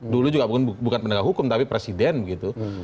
dulu juga bukan penegak hukum tapi presiden begitu